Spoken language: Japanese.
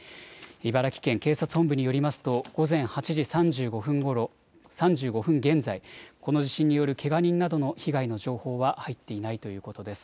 茨城県警察本部によりますと午前８時３５分現在、この地震によるけが人などの被害の情報は入っていないということです。